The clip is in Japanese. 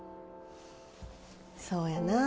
そうやな。